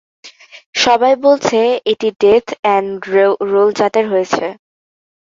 সবাই বলছে এটা ডেথ এন রোল জাতের হয়েছে।